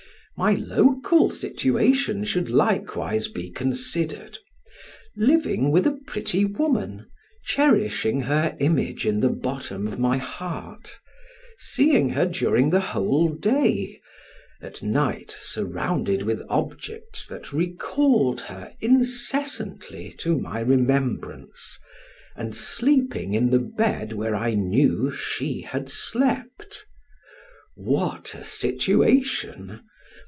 My local situation should likewise be considered living with a pretty woman, cherishing her image in the bottom of my heart, seeing her during the whole day, at night surrounded with objects that recalled her incessantly to my remembrance, and sleeping in the bed where I knew she had slept. What a situation!